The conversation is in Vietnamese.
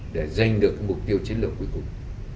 để giành được mục tiêu chiến lược cuối cùng